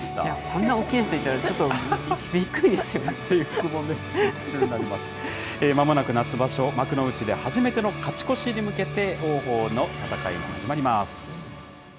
こんな大きな人いたら、まもなく夏場所、幕内で初めての勝ち越しに向けて王鵬の戦いが始まります。